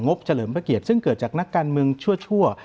บเฉลิมพระเกียรติซึ่งเกิดจากนักการเมืองชั่ว